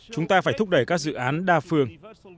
chúng ta phải thúc đẩy các dự án đa phương